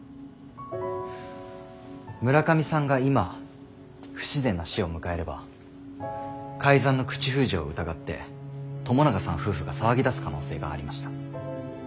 村上さんが今不自然な死を迎えれば改ざんの口封じを疑って友永さん夫婦が騒ぎだす可能性がありました。